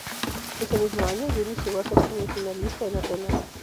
Ese mismo año, Yunis llegó a ser semifinalista en Atenas.